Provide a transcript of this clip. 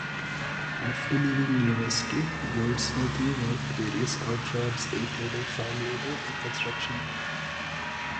After leaving university, Goldsworthy worked various odd jobs, including farm labor and construction work.